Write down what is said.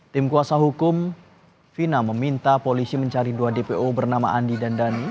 tim kuasa hukum fina meminta polisi mencari dua dpo bernama andi dan dhani